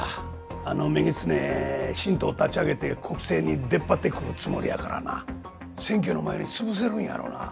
あの女ギツネ新党立ち上げて国政に出っ張ってくるつもりやからな選挙の前につぶせるんやろうな？